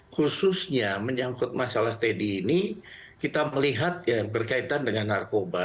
khususnya menyangkut masalah teddy ini kita melihat yang berkaitan dengan narkoba